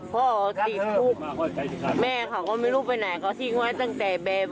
พอตีนพูดแม่ครัอก็ไม่รู้ไปไหนก็ซิ่งไว้ตั้งแต่แบบ